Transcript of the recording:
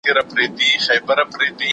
ته له سواته ولې راغلې؟